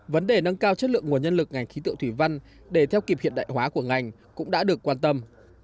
vấn đề nâng cao chất lượng nguồn nhân lực ngành khí tượng thủy văn để theo kịp hiện đại hóa của ngành cũng đã được quan tâm